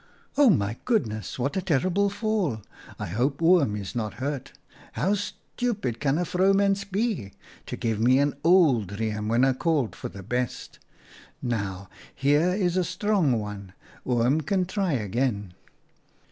u 'Oh! my goodness ! What a terrible fall ! I hope Oom is not hurt. How stupid can a 22 OUTA KAHELS STORIES vrouwmens be ! To give me an old riem when I called for the best ! Now, here is a strong one. Oom can try again.'